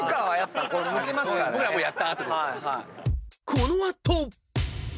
［この後］